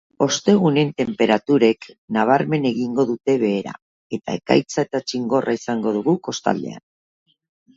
Ostegunen tenperaturek nabarmen egingo dute behera eta ekaitza eta txingorra izango dugu kostaldean.